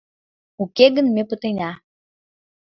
— уке гын ме пытена!